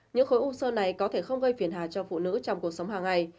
những khối u sơ này có thể không gây phiền hà cho phụ nữ trong cuộc sống hàng ngày